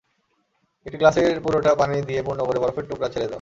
একটি গ্লাসের পুরোটা পানি দিয়ে পূর্ণ করে বরফের টুকরা ছেড়ে দাও।